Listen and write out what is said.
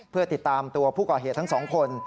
เพื่อติดตามตัวผู้ก่อเหตุทั้งสองคน